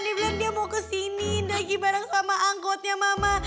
dia bilang dia mau kesini lagi bareng sama angkotnya mama